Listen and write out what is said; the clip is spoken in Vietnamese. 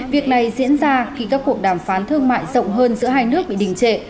việc này diễn ra khi các cuộc đàm phán thương mại rộng hơn giữa hai nước bị đình trệ